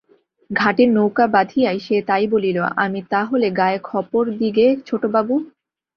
ঘাটে নৌকা বাধিয়াই সে তাই বলিল, আমি তা হলে গায়ে খপর দিগে ছোটবাবু?